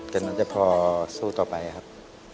ก็นั้นจะพอสู้ต่อไปครับ